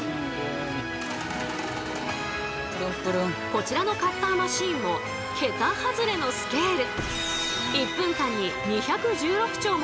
こちらのカッターマシーンも桁外れのスケール。